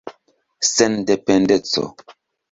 sendependeco